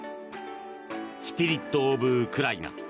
「スピリット・オブ・ウクライナ」